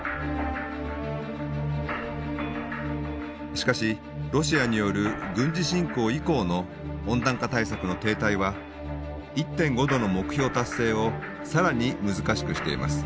しかしロシアによる軍事侵攻以降の温暖化対策の停滞は１．５℃の目標達成を更に難しくしています。